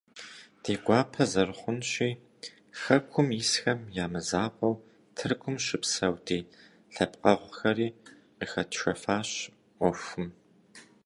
Ди гуапэ зэрыхъунщи, хэкум исхэм я мызакъуэу, Тыркум щыпсэу ди лъэпкъэгъухэри къыхэтшэфащ ӏуэхум.